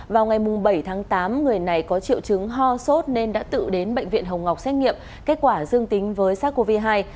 vào ngày bảy tháng tám người này có triệu chứng ho sốt nên đã tự đến bệnh viện hồng ngọc xét nghiệm kết quả dương tính với sars cov hai